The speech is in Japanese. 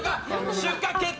出荷決定！